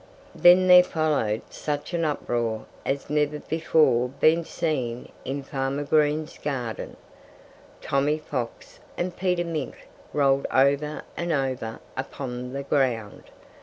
Then there followed such an uproar as had never before been seen in Farmer Green's garden. Tommy Fox and Peter Mink rolled over and over upon the ground.